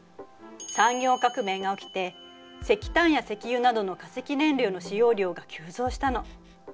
産業革命が起きて石炭や石油などの化石燃料の使用量が急増したの。